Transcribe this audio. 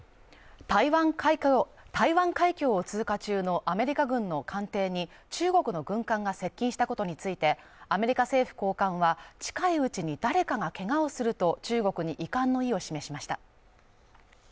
台湾海峡を通過中のアメリカ軍の艦艇に中国の軍艦が接近したことについて、アメリカ政府高官は近いうちに誰かが怪我をすると、中国に遺憾の意を示しました。